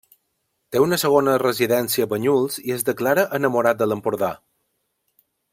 Té una segona residència a Banyuls i es declara enamorat de l'Empordà.